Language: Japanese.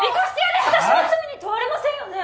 私は罪に問われませんよね！？